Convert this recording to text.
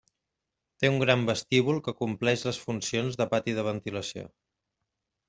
Té un gran vestíbul que compleix les funcions de pati de ventilació.